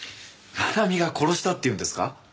真奈美が殺したって言うんですか？